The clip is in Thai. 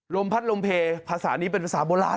พัดลมเพลภาษานี้เป็นภาษาโบราณ